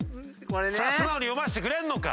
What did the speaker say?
素直に読ませてくれるのか？